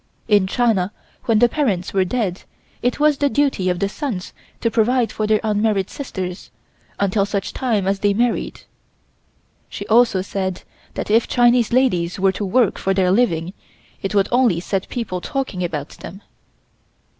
In China when the parents were dead it was the duty of the sons to provide for their unmarried sisters until such time as they married. She also said that if Chinese ladies were to work for their living it would only set people talking about them.